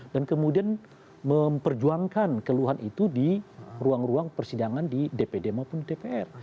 kemudian memperjuangkan keluhan itu di ruang ruang persidangan di dpd maupun di dpr